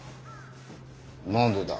何でだ？